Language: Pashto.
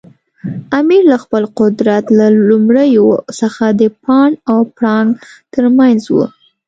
امیر له خپل قدرت له لومړیو څخه د پاڼ او پړانګ ترمنځ و.